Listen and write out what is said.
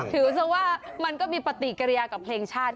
ซะว่ามันก็มีปฏิกิริยากับเพลงชาติ